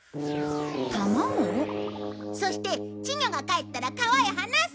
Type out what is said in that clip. そして稚魚がかえったら川へ放す。